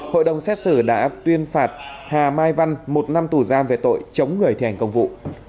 hội đồng xét xử đã tuyên phạt hà mai văn một năm tù giam về tội chống người thi hành công vụ